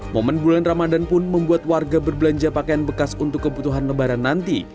momen bulan ramadan pun membuat warga berbelanja pakaian bekas untuk kebutuhan lebaran nanti